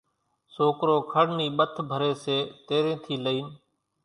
سوڪرو کڙ نِي ٻٿ ڀري سي تيرين ٿي لئين،